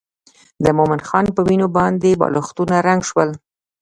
د مومن خان په وینو باندې بالښتونه رنګ شول.